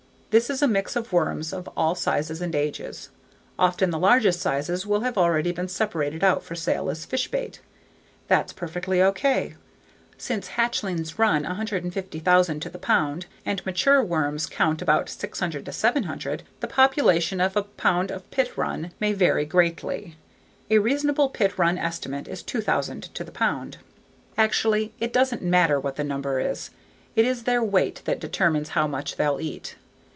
This is a mix of worms of all sizes and ages. Often the largest sizes will have already been separated out for sale as fish bait. That's perfectly okay. Since hatchlings run 150,000 to the pound and mature worms count about 600 700, the population of a pound of pit run can vary greatly. A reasonable pit run estimate is 2,000 to the pound. Actually it doesn't matter what the number is, it is their weight that determines how much they'll eat.